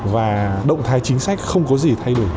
và động thái chính sách không có gì thay đổi